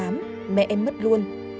mẹ em mất luôn